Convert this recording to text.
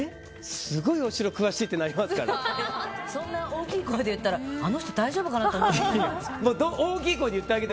すごいお城詳しいってそんな大きい声で言ったらあの人大丈夫かなって思われますよ。